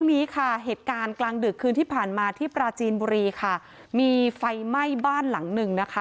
นี้ค่ะเหตุการณ์กลางดึกคืนที่ผ่านมาที่ปราจีนบุรีค่ะมีไฟไหม้บ้านหลังหนึ่งนะคะ